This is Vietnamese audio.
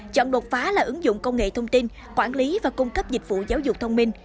chọn đột phá là ứng dụng công nghệ thông tin quản lý và cung cấp dịch vụ giáo dục thông minh